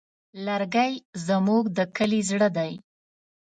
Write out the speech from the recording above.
لرګی زموږ د کلي زړه دی.